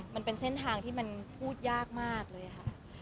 มันเป็นเส้นทางที่มันพูดยากมากเลยค่ะ